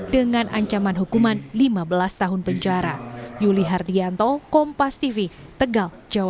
dengan ancaman hukuman lima belas tahun penjara